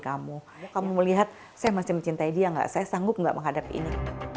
kamu kamu melihat saya masih mencintai dia saya sanggup nggak menghadapi ini